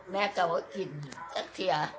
แม่ก็กินสักที